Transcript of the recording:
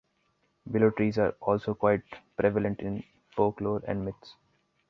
Willow trees are also quite prevalent in folklore and myths.